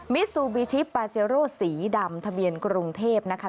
มิซูบิชิปาเซโรสีดำทะเบียนกรุงเทพนะคะ